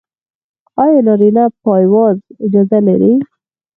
ایا نارینه پایواز اجازه لري؟